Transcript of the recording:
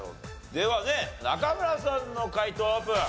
ではね中村さんの解答オープン。